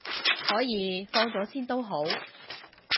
可以，放咗先都好